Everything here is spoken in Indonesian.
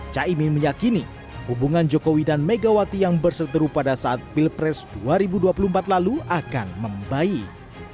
caimin meyakini hubungan jokowi dan megawati yang berseteru pada saat pilpres dua ribu dua puluh empat lalu akan membaik